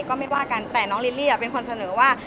ก็ไม่ว่ากันแต่น้องลิลลี่เป็นคนเสนอว่า